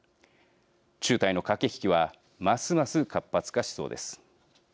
中台の駆け引きはますます活発化しそうです。